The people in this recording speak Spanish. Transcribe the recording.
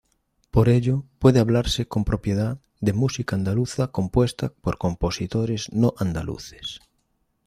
Por ello, puede hablarse con propiedad de música andaluza compuesta por compositores no andaluces.